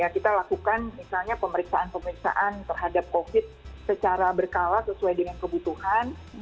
kita lakukan misalnya pemeriksaan pemeriksaan terhadap covid sembilan belas secara berkala sesuai dengan kebutuhan